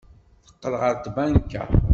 Teqqel ɣer tbanka.